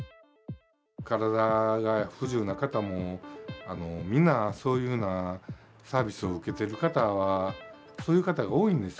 体が不自由な方もみんなそういうふうなサービスを受けてる方は、そういう方が多いんです。